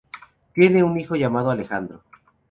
Tiene un hijo llamado Alejandro.